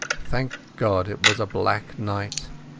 Thank God it was a black night.